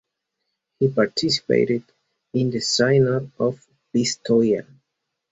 He participated in the Synod of Pistoia.